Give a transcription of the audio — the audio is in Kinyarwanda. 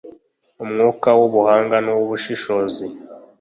umwuka w’ubuhanga n’uw’ubushishozi,